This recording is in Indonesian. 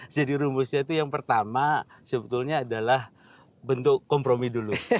jadi rumusnya itu yang pertama sebetulnya adalah bentuk kompromi dulu